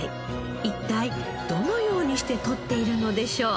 一体どのようにしてとっているのでしょう？